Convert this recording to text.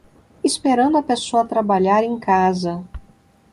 Esperando a pessoa trabalhar em casa